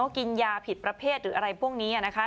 กินยาผิดประเภทหรืออะไรพวกนี้นะคะ